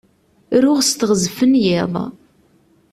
Ruɣ s teɣzef n yiḍ.